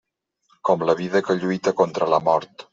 Com la vida que lluita contra la mort.